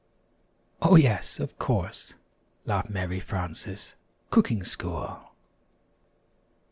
"] "Oh, yes, of course," laughed Mary Frances; "Cooking School."